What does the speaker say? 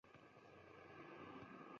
Kengash muhokamasiga chaqirilgansan!